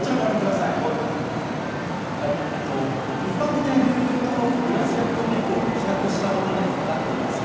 一般的な牛乳とグラスフェッドミルクを比較したものになっています。